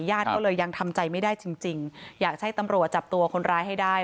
ญาติก็เลยยังทำใจไม่ได้จริงจริงอยากให้ตำรวจจับตัวคนร้ายให้ได้